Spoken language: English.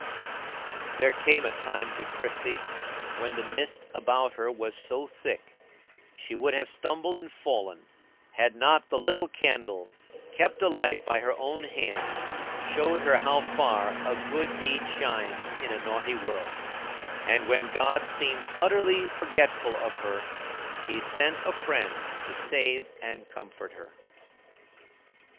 There came a time to Christie when the mist about her was so thick she would have stumbled and fallen had not the little candle, kept alight by her own hand, showed her how far "a good deed shines in a naughty world;" and when God seemed utterly forgetful of her He sent a friend to save and comfort her.